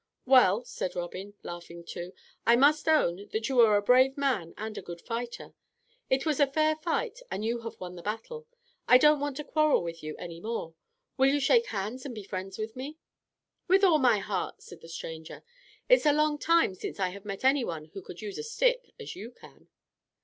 "Well," said Robin, laughing too, "I must own that you are a brave man and a good fighter. It was a fair fight, and you have won the battle. I don't want to quarrel with you any more. Will you shake hands and be friends with me?" "With all my heart," said the stranger. "It is a long time since I have met any one who could use a stick as you can."